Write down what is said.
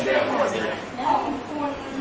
ขอขอบคุณก่อน